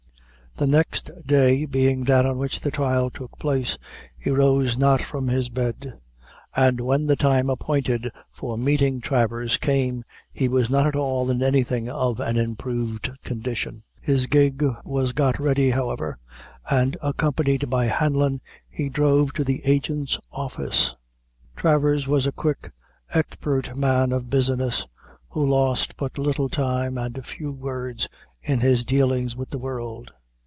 The next day being that on which the trial took place, he rose not from his bed; and when the time appointed for meeting Travers came he was not at all in anything of an improved condition. His gig was got ready, however, and, accompanied by Hanlon, he drove to the agent's office. Travers was a quick, expert man of business, who lost but little time and few words in his dealings with the world.